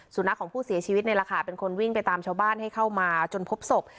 สุนัขของผู้เสียชีวิตนี่แหละค่ะเป็นคนวิ่งไปตามชาวบ้านให้เข้ามาจนพบศพ